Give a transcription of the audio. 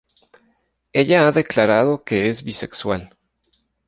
Ella ha declarado que es bisexual.